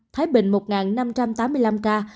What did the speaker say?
thái bình một năm trăm tám mươi năm ca